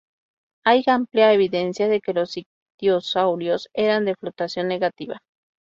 Hay amplia evidencia de que los ictiosaurios eran de flotación negativa.